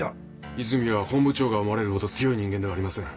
和泉は本部長が思われるほど強い人間ではありません。